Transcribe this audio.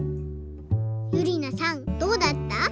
ゆりなさんどうだった？